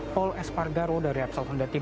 paul espargaro dari rapsal tanda team